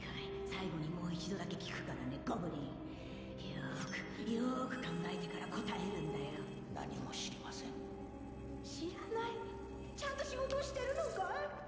最後にもう一度だけ聞くからねゴブリンよくよく考えてから答えるんだよ何も知りません知らない？ちゃんと仕事をしてるのかい？